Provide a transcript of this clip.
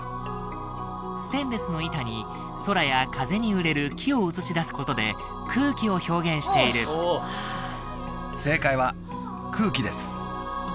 ステンレスの板に空や風に揺れる木を映し出すことで空気を表現している正解は「空気」です